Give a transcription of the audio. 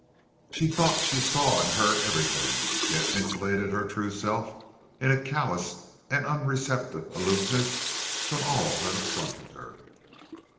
She thought she saw and heard everything, yet insulated her true self in a callous and unreceptive aloofness from all that affronted her.